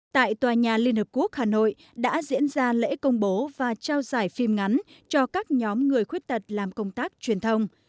tại tòa nhà liên hợp quốc hà nội đã diễn ra lễ công bố và trao giải phim ngắn cho các nhóm người khuyết tật làm công tác truyền thông